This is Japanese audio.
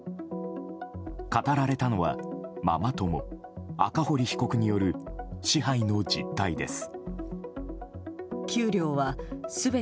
語られたのは、ママ友赤堀被告による支配の実態です。